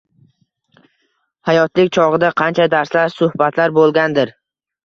hayotlik chog‘ida qancha darslar, suhbatlar bo‘lgandir.